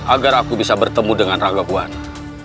agar aku bisa ditemui dengan ranggapwana